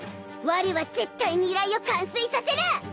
我は絶対に依頼を完遂させる！